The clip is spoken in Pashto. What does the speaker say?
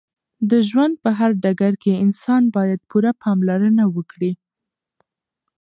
د ژوند په هر ډګر کې انسان باید پوره پاملرنه وکړې